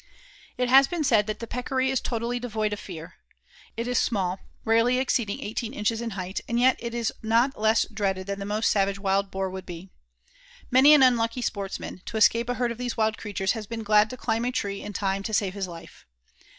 It has been said that the Peccary is totally devoid of fear. It is small, rarely exceeding eighteen inches in height, and yet it is not less dreaded than the most savage Wild Boar would be. Many an unlucky sportsman, to escape a herd of these wild creatures has been glad to climb a tree in time to save his life.